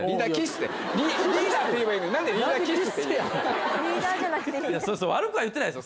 リーダーじゃなくて。